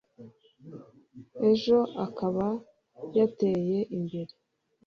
ejo akaba yateye imbere